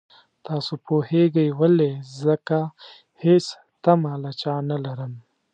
تاسو پوهېږئ ولې ځکه هېڅ تمه له چا نه لرم.